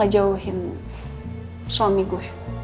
gak jauhin suami gue